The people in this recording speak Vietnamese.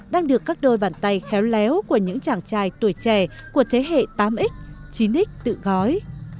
đang được các đôi bàn tay khéo léo của những chàng trai tuổi trẻ của thế hệ tám x chín x tự gói